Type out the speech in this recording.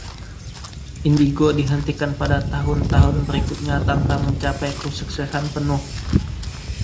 Indigo dihentikan pada tahun-tahun berikutnya tanpa mencapai kesuksesan penuh.